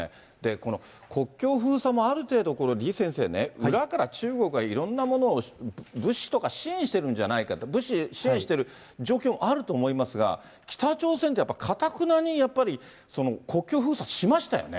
この国境封鎖もある程度、李先生ね、裏から中国がいろんなものを物資とか支援してるんじゃないかと、物資支援してる状況、あると思いますが、北朝鮮ってやっぱり、頑なにやっぱり、国境封鎖しましたよね。